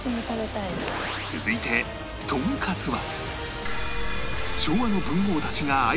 続いてとんかつは